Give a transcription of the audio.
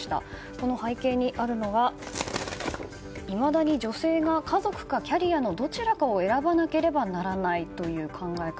この背景にあるのがいまだに女性が家族かキャリアのどちらかを選ばなければならないという考え方。